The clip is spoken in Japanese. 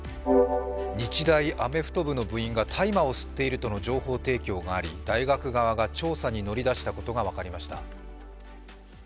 日大アメフト部の部員が大麻を吸っているという情報提供があり大学側が調査に乗り出したことが分かりました。